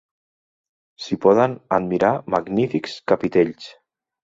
S'hi poden admirar magnífics capitells.